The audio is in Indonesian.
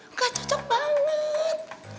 nggak cocok banget